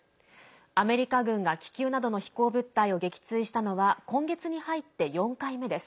アメリカ軍が気球などの飛行物体を撃墜したのは今月に入って４回目です。